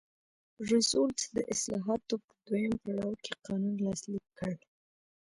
روزولټ د اصلاحاتو په دویم پړاو کې قانون لاسلیک کړ.